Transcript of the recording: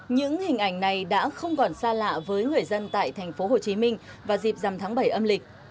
những hình ảnh này đã không còn xa lạ với người dân tại thành phố hồ chí minh vào dịp dằm tháng bảy âm lịch